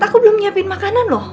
aku belum nyiapin makanan loh